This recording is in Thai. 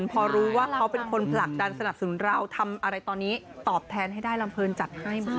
พอรู้ว่าเขาเป็นคนผลักดันสนับสนุนเราทำอะไรตอนนี้ตอบแทนให้ได้ลำเพลินจัดให้หมด